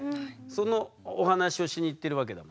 そのお話をしに行ってるわけだもんね。